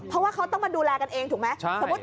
เพราะว่าเขาต้องมาดูแลกันเองถูกไหม